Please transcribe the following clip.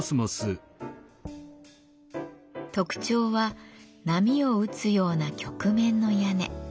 特徴は波を打つような曲面の屋根。